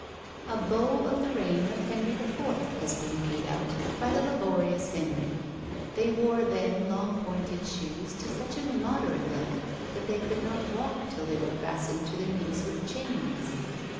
A beau of the reign of Henry IV. has been made out, by the laborious Henry. They wore then long pointed shoes to such an immoderate length, that they could not walk till they were fastened to their knees with chains.